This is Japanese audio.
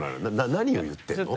何を言ってるの？